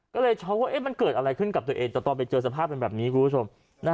ก็เลยช็อกว่ามันเกิดอะไรขึ้นกับตัวเองแต่ตอนไปเจอสภาพเป็นแบบนี้คุณผู้ชม